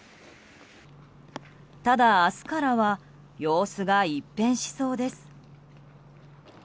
ただ、明日からは様子が一変しそうです。